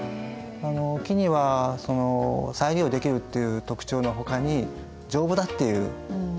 木には再利用できるっていう特長のほかに丈夫だっていう特長もありますよね。